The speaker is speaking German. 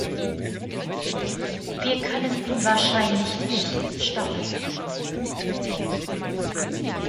Wir können ihn wahrscheinlich nicht stoppen.